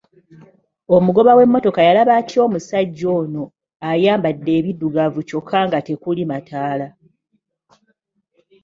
Omugoba w'emmotoka yalaba atya omusajja ono ayambadde ebiddugavu kyokka nga tekuli mataala?